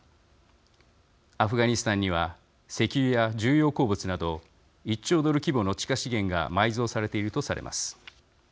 アフガニスタンには石油や重要鉱物など１兆ドル規模の地下資源が埋蔵されているとされます。